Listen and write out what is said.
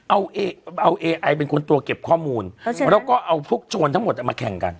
เอาเอไอเป็นคนตัวเก็บข้อมูลแล้วก็เอาพวกโจรทั้งหมดเอามาแข่งกัน